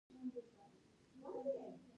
په ای خانم کې د تیلو ذخیرې وې